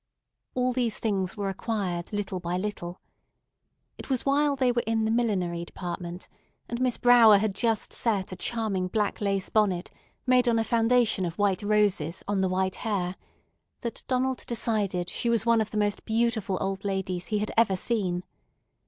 All these things were acquired little by little. It was while they were in the millinery department, and Miss Brower had just set a charming black lace bonnet made on a foundation of white roses on the white hair, that Donald decided she was one of the most beautiful old ladies he had ever seen.